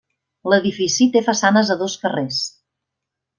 L'edifici té façanes a dos carrers.